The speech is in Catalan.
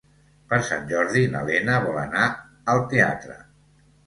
Per Sant Jordi na Lena vol anar al teatre.